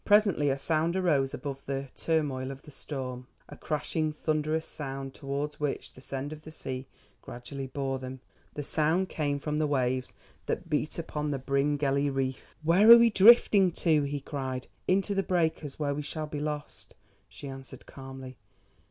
Presently a sound arose above the turmoil of the storm, a crashing thunderous sound towards which the send of the sea gradually bore them. The sound came from the waves that beat upon the Bryngelly reef. "Where are we drifting to?" he cried. "Into the breakers, where we shall be lost," she answered calmly.